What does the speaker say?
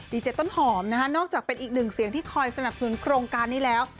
เจต้นหอมนะคะนอกจากเป็นอีกหนึ่งเสียงที่คอยสนับสนุนโครงการนี้แล้ว